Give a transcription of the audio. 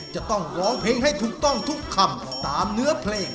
จะต้องร้องเพลงให้ถูกต้องทุกคำตามเนื้อเพลง